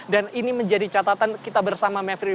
dan ini menjadi catatan kita bersama mavri